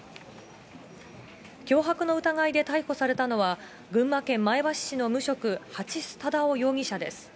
脅迫の疑いで逮捕されたのは、群馬県前橋市の無職、蜂須忠夫容疑者です。